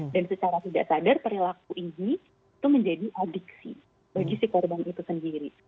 dan secara tidak sadar perilaku ini itu menjadi adiksi bagi si korban itu sendiri